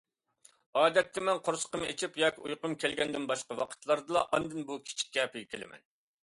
ئادەتتە، مەن قورسىقىم ئېچىپ ياكى ئۇيقۇم كەلگەندىن باشقا ۋاقىتلاردىلا ئاندىن بۇ كىچىك كەپىگە كېلىمەن.